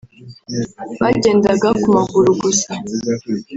Bagendaga ku maguru gusa